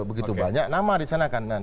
begitu banyak nama di sana kan